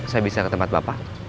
saya bisa ke tempat bapak